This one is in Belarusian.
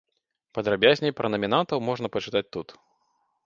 Падрабязней пра намінантаў можна пачытаць тут.